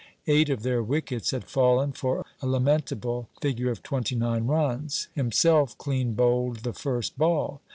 Eight of their wickets had fallen for a lament able figure of twenty nine runs; himself clean bowled the first ball.